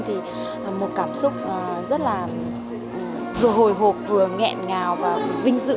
thì một cảm xúc rất là vừa hồi hộp vừa nghẹn ngào và vinh dự